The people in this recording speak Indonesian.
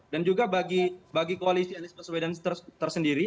dan juga bagi koalisialis pesewedan tersendiri